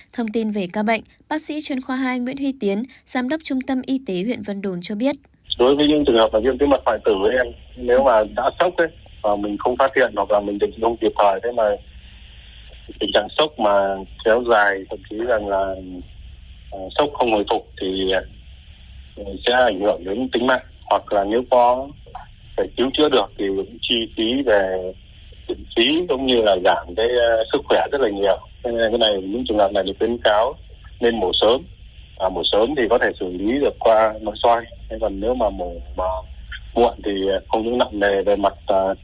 thông tin về ca bệnh bác sĩ truyền khoa hai nguyễn huy tiến giám đốc trung tâm y tế huyện vân đồn cho biết